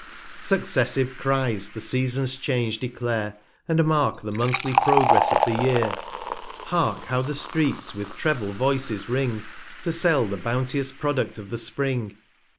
Successive Crys the Season's Change declare, / And mark the Monthly Progress of the Year. Hark, how the Streets with treble Voices ring, 305 To sell the bounteous Product of the Spring